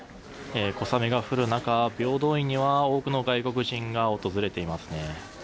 小雨が降る中平等院には多くの外国人が訪れていますね。